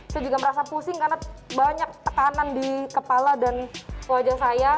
saya juga merasa pusing karena banyak tekanan di kepala dan wajah saya